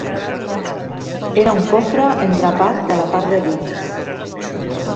Era un cofre endrapat de la part de dins.